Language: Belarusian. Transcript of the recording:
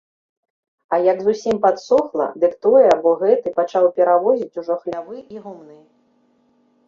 А як зусім падсохла, дык той або гэты пачаў перавозіць ужо хлявы і гумны.